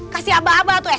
kasih apa apa tuh